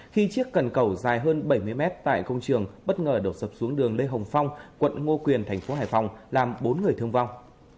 khi chiếc cần cầu dài hơn bảy mươi mét tại công trường bất ngờ đổ sập xuống đường lê hồng phong quận ngo quyền thành phố hải phòng làm bốn người thương vong